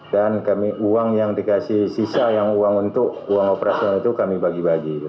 dan kami uang yang dikasih sisa yang uang untuk uang operasional itu kami bagi bagi